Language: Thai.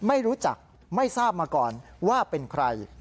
ไม่รู้จักไม่ทราบมาก่อนว่าเป็นใคร